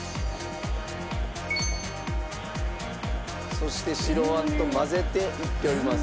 そして白あんと混ぜていっております。